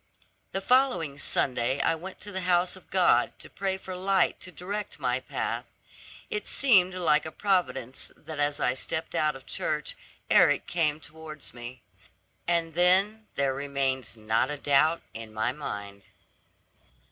The following Sunday I went to the house of God to pray for light to direct my path. It seemed like a providence that as I stepped out of church Eric came towards me; and then there remained not a doubt in my mind.